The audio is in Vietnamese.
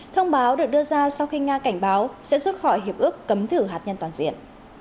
thông báo được đưa ra sau khi nga cảnh báo sẽ rút khỏi hiệp ước cấm thử hạt nhân toàn diện